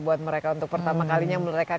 buat mereka untuk pertama kalinya mereka